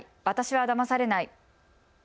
私はだまされない。